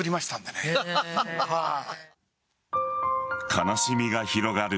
悲しみが広がる